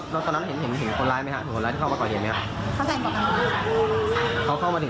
แล้วคนร้ายเขาได้พูดไหมก่อนใครเขาบอกว่าไม่ได้